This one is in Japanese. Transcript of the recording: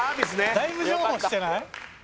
・だいぶ譲歩してない？